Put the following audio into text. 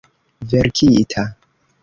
verkita